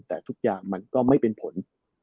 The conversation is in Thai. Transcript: แต่ทุกอย่างมันก็ไม่เป็นผล